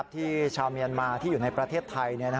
ชาวเมียนมาที่อยู่ในประเทศไทย